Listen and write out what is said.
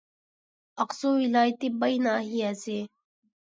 ئاقسۇ ۋىلايىتى باي ناھىيەسى